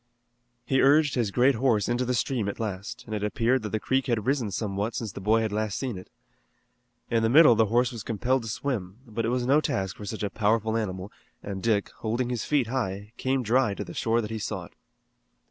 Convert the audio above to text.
He urged his great horse into the stream at last, and it appeared that the creek had risen somewhat since the boy had last seen it. In the middle the horse was compelled to swim, but it was no task for such a powerful animal, and Dick, holding his feet high, came dry to the shore that he sought.